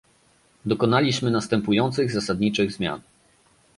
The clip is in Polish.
Dokonaliśmy następujących zasadniczych zmian